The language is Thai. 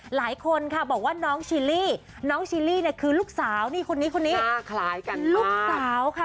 หลายคนค่ะบอกว่าน้องชิลลี่น้องชิลลี่เนี่ยคือลูกสาวนี่คนนี้คนนี้ลูกสาวค่ะ